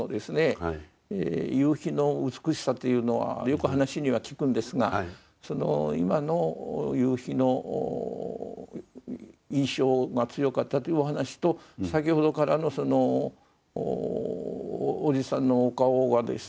夕日の美しさというのはよく話には聞くんですがその今の夕日の印象が強かったというお話と先ほどからのそのおじさんのお顔がですね